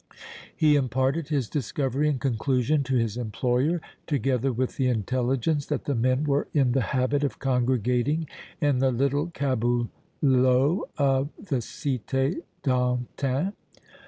He imparted his discovery and conclusion to his employer, together with the intelligence that the men were in the habit of congregating in the little caboulot of the Cité d' Antin.